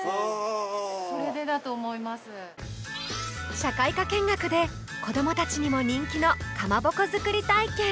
社会科見学で子どもたちにも人気のかまぼこ作り体験！